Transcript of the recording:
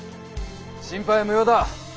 心配は無用だ！